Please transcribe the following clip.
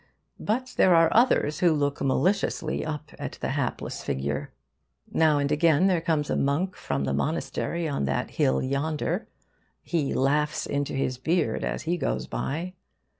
But there are others who look maliciously up at the hapless figure. Now and again there comes a monk from the monastery on that hill yonder. He laughs into his beard as he goes by.